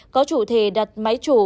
có chủ thể đặt máy chủ